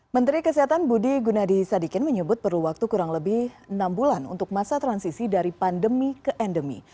menteri kesehatan budi gunadi sadikin menyebut perlu waktu kurang lebih enam bulan untuk masa transisi dari pandemi ke endemi